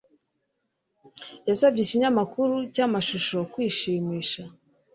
Yasabye ikinyamakuru cyamashusho kwishimisha